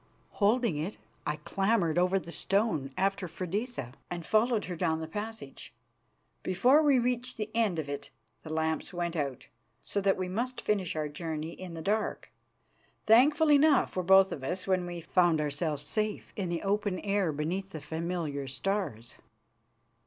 Holding it, I clambered over the stone after Freydisa, and followed her down the passage. Before we reached the end of it the lamps went out, so that we must finish our journey in the dark. Thankful enough were both of us when we found ourselves safe in the open air beneath the familiar stars.